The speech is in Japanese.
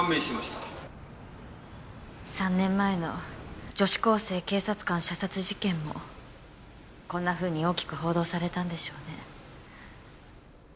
３年前の女子高生・警察官射殺事件もこんな風に大きく報道されたんでしょうね。